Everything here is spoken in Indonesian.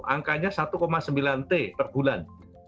angkanya satu sembilan t per bulan